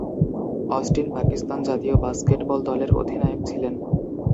Austin Pakistan জাতীয় basketball দলের অধিনায়ক ছিলেন।